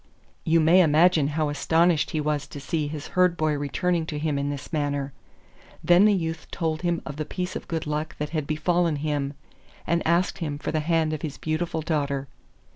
You may imagine how astonished he was to see his Herd boy returning to him in this manner! Then the youth told him of the piece of good luck that had befallen him, and asked him for the hand of his beautiful daughter.